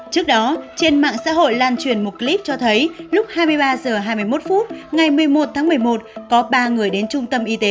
trước đó trên mạng xã hội lan truyền một clip cho thấy lúc hai mươi ba h hai mươi một phút ngày một mươi một tháng một mươi một có ba người đến trung tâm y tế